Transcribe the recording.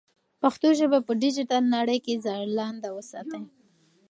پښتو ژبه په ډیجیټل نړۍ کې ځلانده وساتئ.